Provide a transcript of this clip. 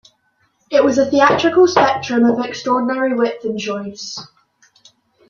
It was a theatrical spectrum of extraordinary width and choice.